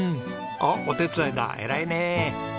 おっお手伝いだ偉いね。